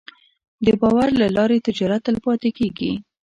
د باور له لارې تجارت تلپاتې کېږي.